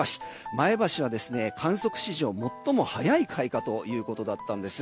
前橋は観測史上最も早い開花だったんです。